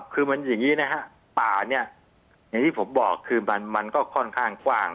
คือมันอย่างนี้นะฮะป่าเนี่ยอย่างที่ผมบอกคือมันก็ค่อนข้างกว้าง